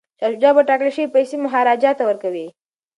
شاه شجاع به ټاکل شوې پیسې مهاراجا ته ورکوي.